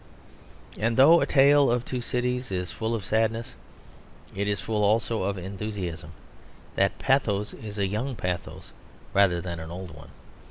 And though A Tale of Two Cities is full of sadness, it is full also of enthusiasm; that pathos is a young pathos rather than an old one.